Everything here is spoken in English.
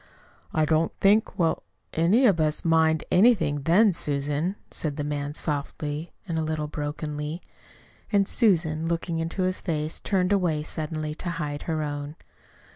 "I don't think we'll any of us mind anything then, Susan," said the man softly, a little brokenly. And Susan, looking into his face, turned away suddenly, to hide her own.